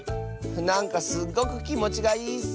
なんかすっごくきもちがいいッス！